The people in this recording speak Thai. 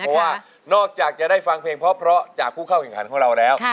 เพราะว่านอกจากจะได้ฟังเพลงเพราะจากผู้เข้าแข่งขันของเราแล้ว